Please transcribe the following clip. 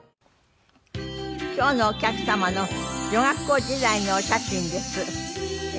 今日のお客様の女学校時代のお写真です。